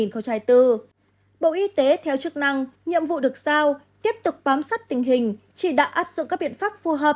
bộ y tế theo chức năng nhiệm vụ được sao tiếp tục bám sát tình hình chỉ đạo áp dụng các biện pháp phù hợp